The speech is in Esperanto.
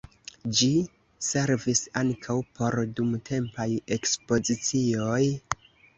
Ĝi servis ankaŭ por dumtempaj ekspozicioj.